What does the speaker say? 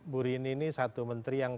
bu rini ini satu menteri yang